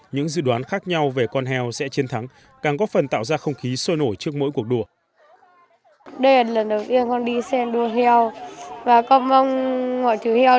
những dự đoán khác nhau về con heo sẽ chiến thắng càng góp phần tạo ra không khí sôi nổi trước mỗi cuộc đua